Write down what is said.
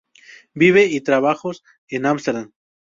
Vive y trabajos en Amsterdam.